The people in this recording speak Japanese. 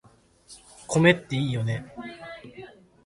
米っていいよね